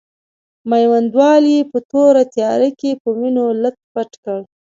میوندوال یې په توره تیاره کې په وینو لت پت کړ.